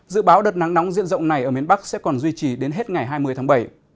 dự báo đợt nắng nóng diện rộng này ở miền bắc sẽ còn duy trì đến hết ngày hai mươi tháng bảy